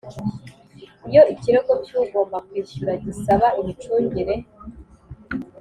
Iyo ikirego cy ugomba kwishyura gisaba imicungire